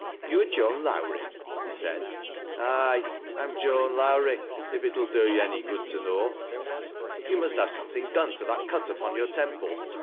" You are Joan Lowrie ?" he said. " Aye, I'm Joan Lowrie, if it '11 do yo' ony good t<. know." " You must have something done to that cut upon youi temple."